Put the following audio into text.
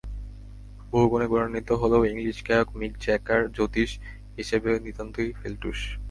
বহুগুণে গুণান্বিত হলেও ইংলিশ গায়ক মিক জ্যাগার জ্যোতিষ হিসেবে নিতান্তই ফেলটুস।